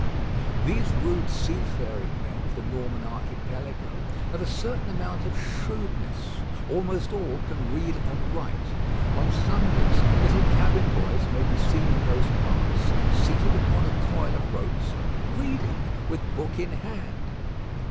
These rude seafaring men of the Norman Archipelago, have a certain amount of shrewdness. Almost all can read and write. On Sundays, little cabin boys may be seen in those parts, seated upon a coil of ropes, reading, with book in hand.